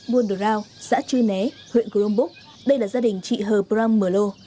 buôn đạt rào xã cư né huyện cường búc đây là gia đình chị hờ bram mờ lô